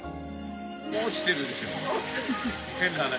もう落ちてるでしょ？